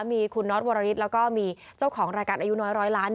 มีคุณน็อตวรริสแล้วก็มีเจ้าของรายการอายุน้อย๑๐๐ล้าน